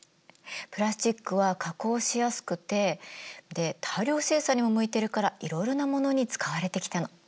プラスチックは加工しやすくてで大量生産にも向いてるからいろいろなものに使われてきたの。